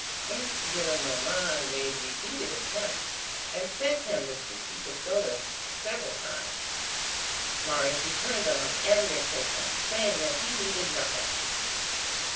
Aunt Gillenormand made repeated attempts, and sent him the sixty pistoles several times. Marius returned them on every occasion, saying that he needed nothing.